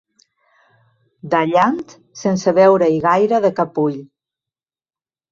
Dallant sense veure-hi gaire de cap ull.